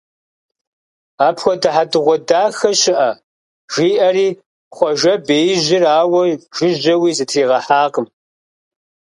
Апхуэдэ хьэдэгъуэдахэ щыӀэ! - жиӀэри, Хъуэжэ беижьыр ауэ жыжьэуи зытригъэхьакъым.